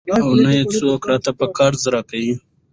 او نه يې څوک راته په قرض راکوي.